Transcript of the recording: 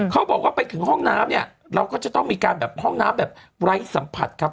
เขาบอกว่าไปถึงห้องน้ำเนี่ยเราก็จะต้องมีการแบบห้องน้ำแบบไร้สัมผัสครับ